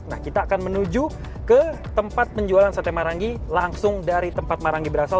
nah kita akan menuju ke tempat penjualan sate marangi langsung dari tempat marangi berasal